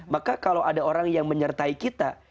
maka kalau ada orang yang menyertai kita